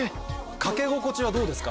掛け心地はどうですか？